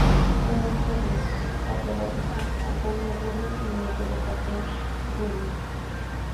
Era hijo del catedrático Antonio Rubió y nieto de Joaquim Rubió.